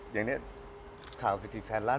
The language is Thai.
อย่างนี้ข่าวสิบสิบแสนล้าน